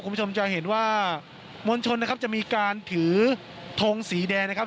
คุณผู้ชมจะเห็นว่ามวลชนนะครับจะมีการถือทงสีแดงนะครับ